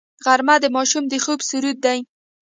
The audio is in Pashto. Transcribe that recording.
غرمه د ماشوم د خوب سرود دی